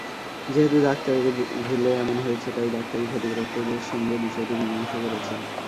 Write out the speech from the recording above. যেহেতু ডাক্তারের ভুলে এমন হয়েছে তাই ডাক্তারই ক্ষতিগ্রস্তদের সঙ্গে বিষয়টি মীমাংসা করেছেন।